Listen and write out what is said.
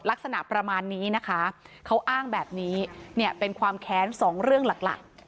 ลักษณะประมาณนี้นะคะเขาอ้างแบบนี้เนี่ยเป็นความแค้นสองเรื่องหลักหลัก